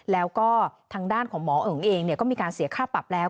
แล้วก็ทางด้านของหมอเอิงเองก็มีการเสียค่าปรับแล้ว